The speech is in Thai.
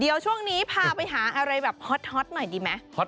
เดี๋ยวช่วงนี้พาไปหาอะไรแบบฮอตหน่อยดีไหม